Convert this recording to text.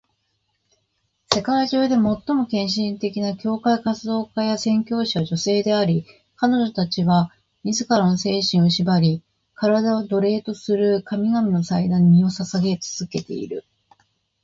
世界中で最も献身的な教会活動家や宣教師は女性であり、彼女たちは自らの精神を縛り、身体を奴隷とする神々の祭壇に身を捧げ続けている。